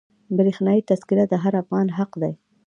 برښنایي تذکره د هر افغان حق دی.